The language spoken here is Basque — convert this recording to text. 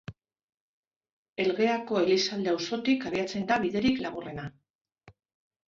Elgeako Elizalde auzotik abiatzen da biderik laburrena.